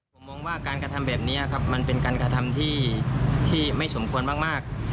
ผมมองว่าการกระทำแบบนี้ครับมันเป็นการกระทำที่ไม่สมควรมาก